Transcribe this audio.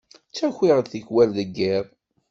Ttakiɣ-d tikwal deg yiḍ.